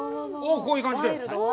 こういう感じで。